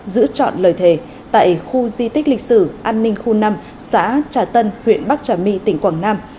giữ chọn lời thề tại khu di tích lịch sử an ninh khu năm xã trà tân huyện bắc trà my tỉnh quảng nam